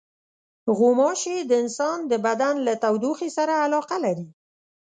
غوماشې د انسان د بدن له تودوخې سره علاقه لري.